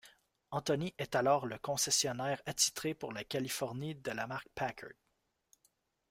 Anthony est alors le concessionnaire attitré pour la Californie de la marque Packard.